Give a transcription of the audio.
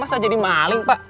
masa jadi maling pak